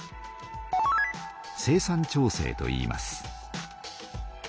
生産調整といいます。